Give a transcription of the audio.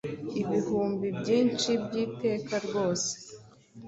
Ibihumbi byinshi by'iteka rwose